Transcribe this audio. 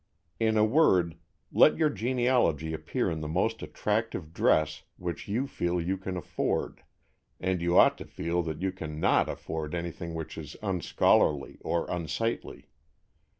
In a word, let your genealogy appear in the most attractive dress which you feel you can afford, and you ought to feel that you can not afford anything which is unscholarly or unsightly.